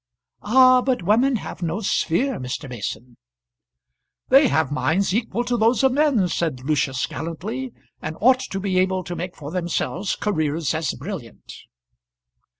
"Ah! but women have no sphere, Mr. Mason." "They have minds equal to those of men," said Lucius, gallantly, "and ought to be able to make for themselves careers as brilliant."